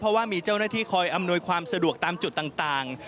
เพราะว่ามีเจ้าหน้าที่คอยอำนวยความสะดวกตามจุดต่าง